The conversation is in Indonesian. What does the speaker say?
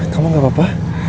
kamu gak papa